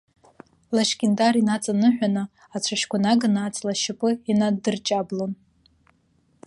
Лашькьындар инаҵаныҳәаны, ацәашьқәа наганы аҵла ашьапы инаддырҷаблон.